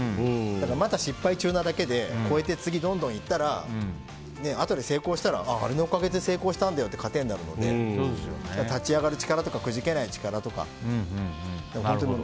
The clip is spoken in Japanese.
まだ失敗中なだけで越えて、次、どんどん行ったらあとで成功したらあれのおかげで成功したんだよと糧になるので、立ち上がる力とかくじけない力とか。